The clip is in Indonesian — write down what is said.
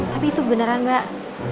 tapi itu beneran mbak